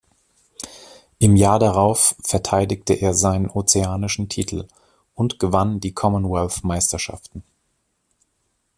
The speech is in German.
Im Jahr darauf verteidigte er seinen ozeanischen Titel und gewann die Commonwealth-Meisterschaften.